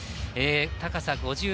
高さ５３ｍ